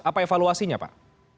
apa evaluasinya pak